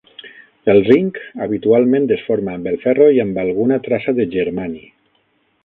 El zinc habitualment es forma amb el ferro i amb alguna traça de germani.